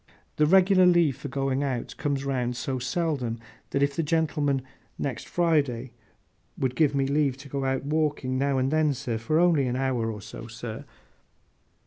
The regular leave for going out, comes round so seldom, that if the gentlemen, next Friday, would give me leave to go out walking, now and then—for only an hour or so, sir!